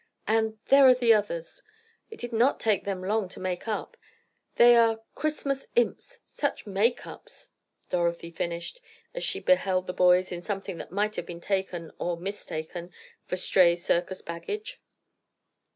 "And—there are the others. It did not take them long to make up. They are—Christmas—Imps. Such make ups!" Dorothy finished, as she beheld the boys, in something that might have been taken, or mistaken, for stray circus baggage.